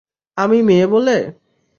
আমি মেয়ে বলে?